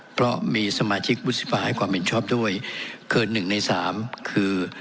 เพราะมีสมาชิกวุฒิสภาให้ความเห็นชอบด้วยเกินหนึ่งในสามคือ